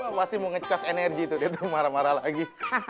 gua pasti mau ngecas energi tuh dia tuh marah marah lagi